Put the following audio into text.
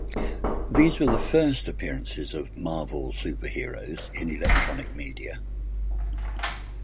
These were the first appearances of Marvel superheroes in electronic media.